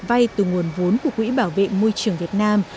vay từ nguồn vốn của quỹ bảo vệ môi trường việt nam